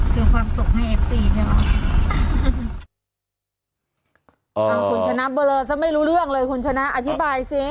คุณชนะเบลอซะไม่รู้เรื่องเลยคุณชนะอธิบายซิ